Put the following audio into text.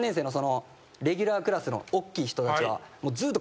レギュラークラスのおっきい人たちは。